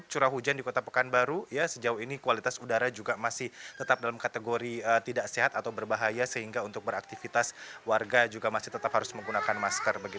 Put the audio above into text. curah hujan di kota pekanbaru sejauh ini kualitas udara juga masih tetap dalam kategori tidak sehat atau berbahaya sehingga untuk beraktivitas warga juga masih tetap harus menggunakan masker